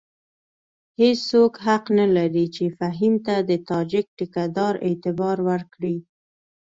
هېڅوک حق نه لري چې فهیم ته د تاجک ټیکه دار اعتبار ورکړي.